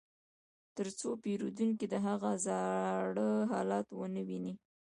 ترڅو پیرودونکي د هغه زاړه حالت ونه ویني